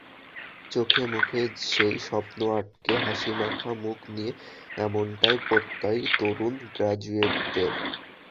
চোখে-মুখে সেই স্বপ্ন আটকে হাসিমাখা মুখ নিয়ে এমনটাই প্রত্যয় তরুণ গ্র্যাজুয়েটদের।